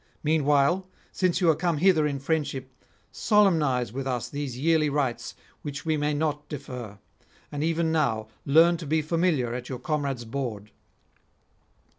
Meanwhile, since you are come hither in friendship, solemnise with us these yearly rites which we may not defer, and even now learn to be familiar at your comrades' board.'